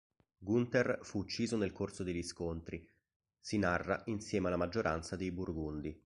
Gunther fu ucciso nel corso degli scontri, si narra insieme alla maggioranza dei Burgundi.